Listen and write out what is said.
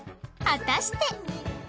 果たして